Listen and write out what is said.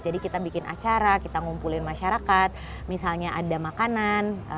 jadi kita bikin acara kita ngumpulin masyarakat misalnya ada makanan